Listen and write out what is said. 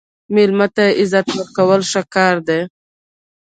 مېلمه ته عزت ورکول ښه کار دی.